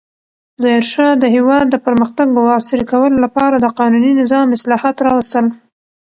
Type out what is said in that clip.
ظاهرشاه د هېواد د پرمختګ او عصري کولو لپاره د قانوني نظام اصلاحات راوستل.